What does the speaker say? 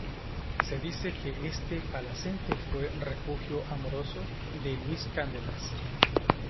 Se dice que este palacete fue refugio amoroso de Luis Candelas.